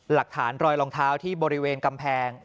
หลักฐานรอยลองเท้าที่บริเวณกำแพง